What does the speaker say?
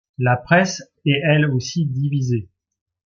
La presse est elle aussi divisée.